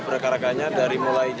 serah seringt dan roya maculo